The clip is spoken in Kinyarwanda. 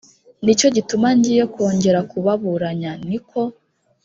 ni cyo gituma ngiye kongera kubaburanya ni ko